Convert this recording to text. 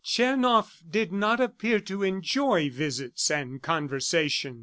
Tchernoff did not appear to enjoy visits and conversation.